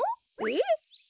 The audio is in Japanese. えっ？